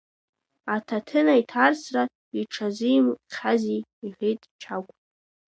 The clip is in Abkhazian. Аҭаҭынаиҭарсра иҽазимкхьази, — иҳәеит Чагә.